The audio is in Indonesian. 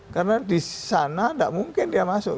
karena di sana tidak mungkin dia masuk